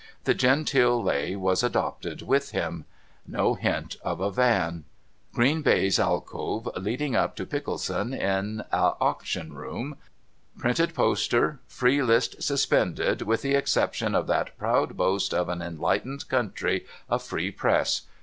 The genteel lay was adopted with him. No hint of a van. Green baize alcove leading up to Pickleson in a Auction Room. Printed poster, ' Free list suspended, with the exception of that proud boast of an enlightened country, a free press.